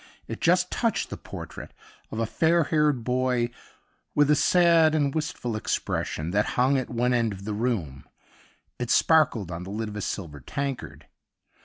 It just touched the portrait of a fair haired boy Avith a sad and wistful expression that hung at one end of the room ; it sparkled on the lid of a silver tankard.